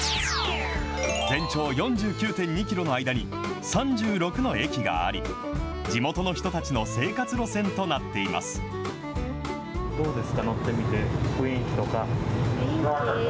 全長４９．２キロの間に、３６の駅があり、地元の人たちの生活路線となっています。